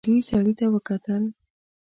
دوی سړي ته وکتل.